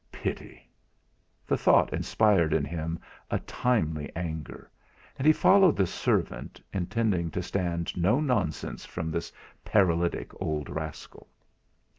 Pity! The thought inspired in him a timely anger; and he followed the servant, intending to stand no nonsense from this paralytic old rascal.